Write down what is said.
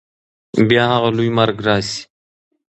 بیا هغه لوی مرګ راسي